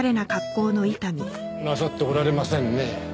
いえなさっておられませんね。